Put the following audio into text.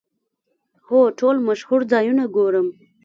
هو، ټول مشهور ځایونه ګورم